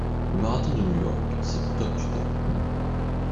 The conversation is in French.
Le marathon de New York, c'est le top du top.